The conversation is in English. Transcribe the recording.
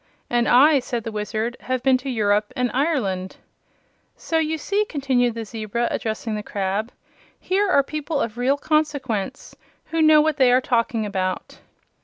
"And I," said the Wizard, "have been to Europe and Ireland." "So you see," continued the zebra, addressing the crab, "here are people of real consequence, who know what they are talking about."